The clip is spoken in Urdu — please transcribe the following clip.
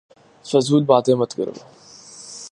فضول باتیں مت کرو